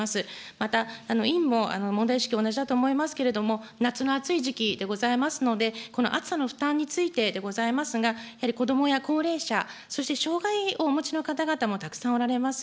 また、委員も問題意識、同じだと思いますけれども、夏の暑い時期でございますので、この暑さの負担についてでございますが、やはり子どもや高齢者、そして障害をお持ちの方々もたくさんおられます。